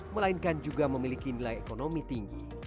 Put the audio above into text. melainkan juga memiliki nilai ekonomi tinggi